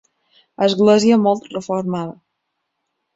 Església molt reformada.